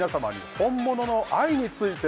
本物の愛？